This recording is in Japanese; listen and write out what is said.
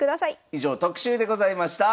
以上特集でございました。